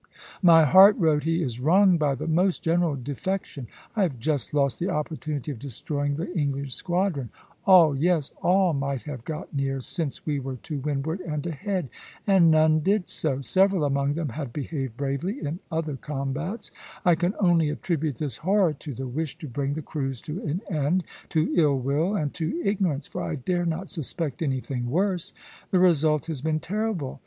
"My heart," wrote he, "is wrung by the most general defection. I have just lost the opportunity of destroying the English squadron.... All yes, all might have got near, since we were to windward and ahead, and none did so. Several among them had behaved bravely in other combats. I can only attribute this horror to the wish to bring the cruise to an end, to ill will, and to ignorance; for I dare not suspect anything worse. The result has been terrible.